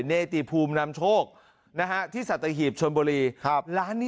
เนติภูมินามโชคนะฮะที่สัตยาหีพชลบุรีครับ